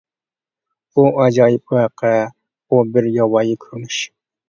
بۇ ئاجايىپ ۋەقە، بۇ بىر ياۋايى كۆرۈنۈش!